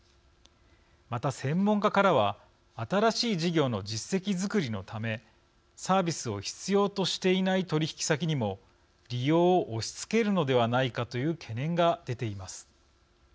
また専門家からは新しい事業の実績作りのためサービスを必要としていない取引先にも利用を押し付けるのではないかという懸念が出ています。